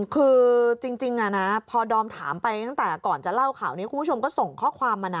คือจริงพอดอมถามไปตั้งแต่ก่อนจะเล่าข่าวนี้คุณผู้ชมก็ส่งข้อความมานะ